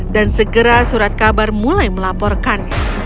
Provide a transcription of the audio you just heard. dan segera surat kabar mulai melaporkannya